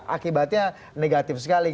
akibatnya negatif sekali